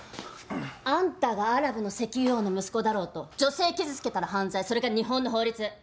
あんたがアラブの石油王の息子だろうと女性傷つけたら犯罪それが日本の法律。